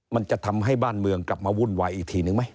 มันจะทำให้บ้านเมืองกลับมาวุ่นวายอีกทีนึงไหม